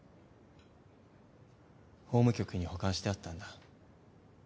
法務局に保管してあったんだ。